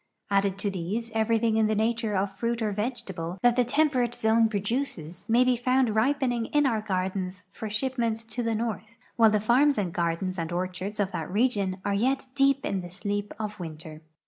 Added to these, everything in the nature of fruit or vegetable that the temperate zone produces may be found ripening in our gardens for shipment to the north while the farms and gardens and orchards of that region are }'^et deep in the sleep of winter.